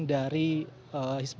dari hizbut tahrir indonesia